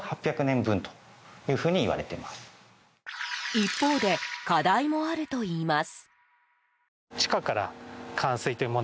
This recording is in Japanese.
一方で課題もあるといいます。